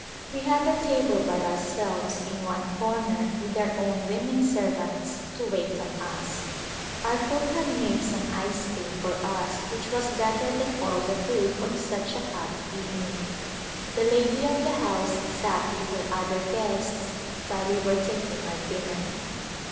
We had a table by ourselves in one corner with our own women servants to wait on us. Our cook had made some ice cream for us which was better than all the food on such a hot evening. The lady of the house sat with her other guests while we were taking our dinner.